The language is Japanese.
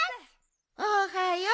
おはよう。